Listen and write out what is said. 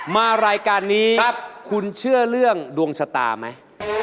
มารายการนี้คุณเชื่อเรื่องดวงชะตาไหม